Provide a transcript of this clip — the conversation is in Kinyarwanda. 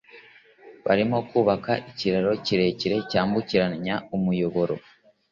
Barimo kubaka ikiraro kirekire cyambukiranya umuyoboro